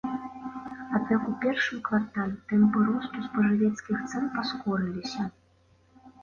Аднак у першым квартале тэмпы росту спажывецкіх цэн паскорыліся.